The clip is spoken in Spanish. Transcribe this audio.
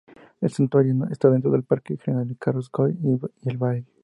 El Santuario está dentro del parque regional de Carrascoy y El Valle.